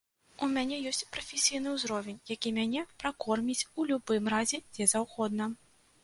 У мяне ёсць прафесійны ўзровень, які мяне пракорміць у любым разе дзе заўгодна.